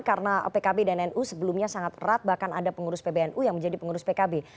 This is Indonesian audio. karena pkb dan nu sebelumnya sangat erat bahkan ada pengurus pbnu yang menjadi pengurus pkb